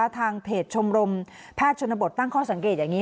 ทางเพจชมรมแพทย์ชนบทตั้งข้อสังเกตอย่างนี้